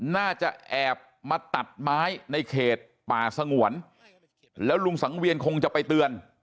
น่าจะแอบมาตัดไม้ในเขตป่าสงวนแล้วลุงสังเวียนคงจะไปเตือน